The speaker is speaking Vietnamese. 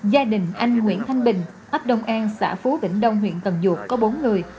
gia đình anh nguyễn thanh bình áp đông an xã phú đỉnh đông huyện cần duột có bốn người